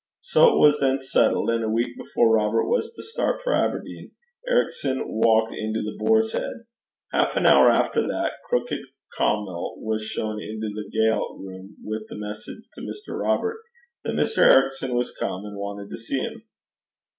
So it was then settled; and a week before Robert was to start for Aberdeen, Ericson walked into The Boar's Head. Half an hour after that, Crookit Caumill was shown into the ga'le room with the message to Maister Robert that Maister Ericson was come, and wanted to see him.